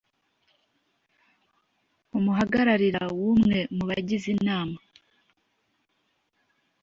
umuhagararira w umwe mu bagize inama